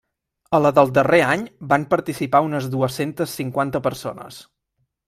A la del darrer any van participar unes dues-centes cinquanta persones.